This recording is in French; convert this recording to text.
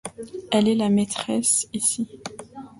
Elle est la maîtresse ici.